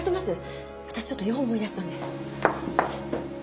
私ちょっと用を思い出したんで。